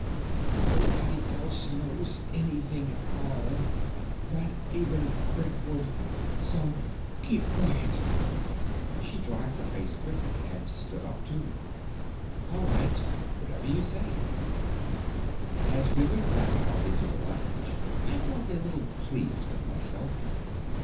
Nobody else knows anything at all. Not even Brentwood. So keep quiet." She dried her face quickly and stood up, too. "All right. Whatever you say." As we went back out into the lounge, I felt a little pleased with myself.